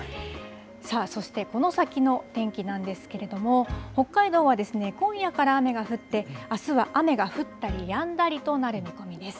さあ、そして、この先の天気なんですけれども、北海道は今夜から雨が降って、あすは雨が降ったりやんだりとなる見込みです。